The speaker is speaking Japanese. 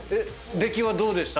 出来はどうでした？